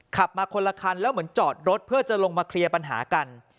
ขับมาคนละคันแล้วเหมือนจอดรถเพื่อจะลงมาเคลียร์ปัญหากัน